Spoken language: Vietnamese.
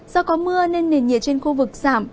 do có mưa nên nền nhiệt trên khu vực giảm